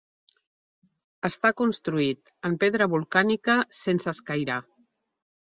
Està construït en pedra volcànica sense escairar.